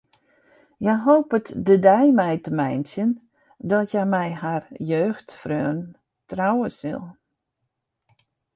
Hja hopet de dei mei te meitsjen dat hja mei har jeugdfreon trouwe sil.